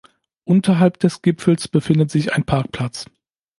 Unterhalb des Gipfels befindet sich ein Parkplatz.